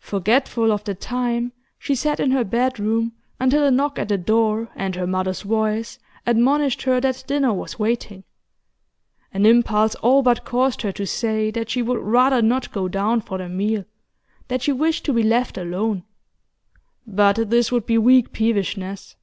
Forgetful of the time, she sat in her bedroom until a knock at the door, and her mother's voice, admonished her that dinner was waiting. An impulse all but caused her to say that she would rather not go down for the meal, that she wished to be left alone. But this would be weak peevishness.